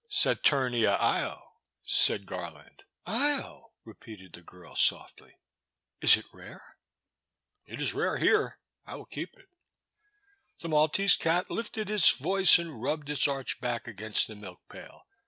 '' Satumia lo," said Garland. lo," repeated the girl, softly, '* is it rare ?"It is rare here. I will keep it." The Maltese cat lifted its voice and rubbed its arched back against the milk pail.